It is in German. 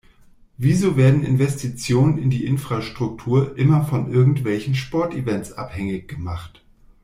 Wieso werden Investitionen in die Infrastruktur immer von irgendwelchen Sportevents abhängig gemacht?